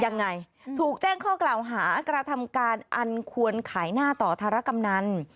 ยังไงถูกแจ้งข้อกล่าวหากระทำการอันควรขายหน้าต่อธารกำนัน